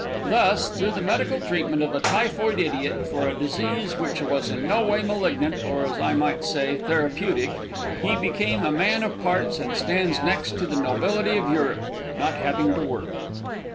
Thus, through the medical treatment of a typhoid idiot, for a disease which was in no way malignant, or, as I might say, therapeutic, he became a man of parts and stands next to the nobility of Europe, not having to work.